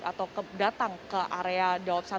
atau datang ke area daup satu